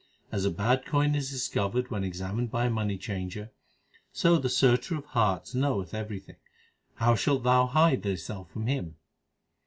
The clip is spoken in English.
As a bad coin l is discovered when examined by a money changer, So the Searcher of hearts knoweth everything ; how shalt thou hide thyself from Him